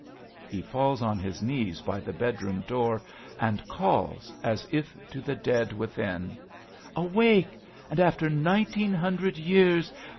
{He falls on his knees by the bed room door and calls, as if to the dead within :) Awake, and after nineteen hundred years.